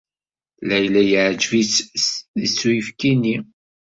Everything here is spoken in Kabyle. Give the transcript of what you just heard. Layla yeɛjeb-itt s tidet uyefki-nni.